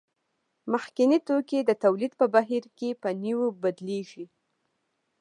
مخکیني توکي د تولید په بهیر کې په نویو بدلېږي